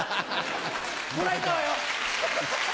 もらえたわよ。